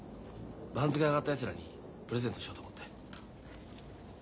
番付が上がったやつらにプレゼントしようと思って。